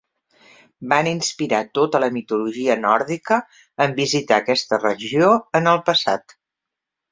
Van inspirar tota la mitologia nòrdica en visitar aquesta regió en el passat.